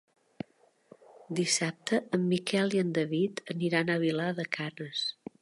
Dissabte en Miquel i en David aniran a Vilar de Canes.